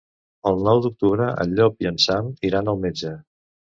El nou d'octubre en Llop i en Sam iran al metge.